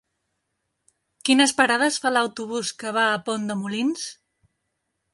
Quines parades fa l'autobús que va a Pont de Molins?